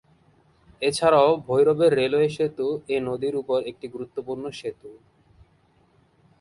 এছাড়াও ভৈরবের রেলওয়ে সেতু এ নদীর উপর একটি গুরুত্বপূর্ণ সেতু।